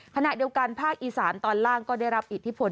ขณะเดียวกันภาคอีสานตอนล่างก็ได้รับอิทธิพล